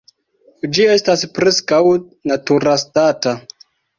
Ĝi estas preskaŭ naturastata.